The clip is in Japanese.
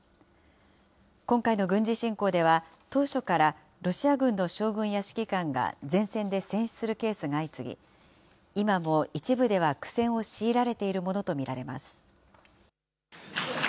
今回の軍事侵攻では、当初からロシア軍の将軍や指揮官が前線で戦死するケースが相次ぎ、今も一部では苦戦を強いられているものと見られます。